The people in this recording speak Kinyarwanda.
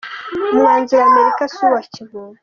Umwanzuro wa Amerika si uwa kimuntu